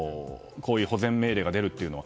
こういう保全命令が出るのは。